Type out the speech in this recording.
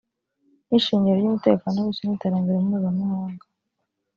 nk’ishingiro ry’umutekano w’isi n’iterambere mpuzamahanga